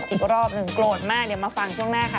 อีกรอบหนึ่งโกรธมากเดี๋ยวมาฟังช่วงหน้าค่ะ